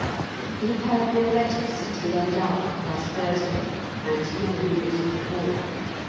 We have had no letters since we left Havre last Thursday, and no news of the war.